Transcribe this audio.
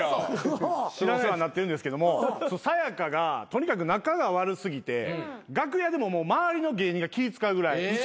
お世話になってるんですけどもさや香がとにかく仲が悪過ぎて楽屋でももう周りの芸人が気使うぐらい。